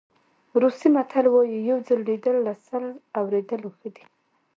روسي متل وایي یو ځل لیدل له سل اورېدلو ښه دي.